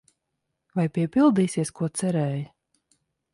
Vai piepildīsies, ko cerēja?